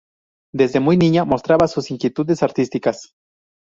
Desde muy niña demostraba sus inquietudes artísticas.